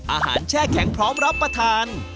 แช่แข็งพร้อมรับประทาน